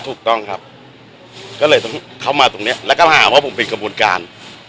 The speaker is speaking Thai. ถูกต้องครับก็เลยต้องเข้ามาตรงเนี้ยแล้วก็มาหาว่าผมเป็นกระบวนการ